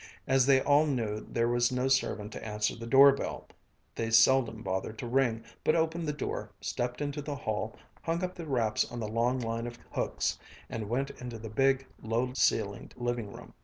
As they all knew there was no servant to answer the doorbell, they seldom bothered to ring, but opened the door, stepped into the hall, hung up their wraps on the long line of hooks, and went into the big, low ceilinged living room.